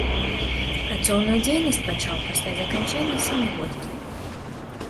Працоўную дзейнасць пачаў пасля заканчэння сямігодкі.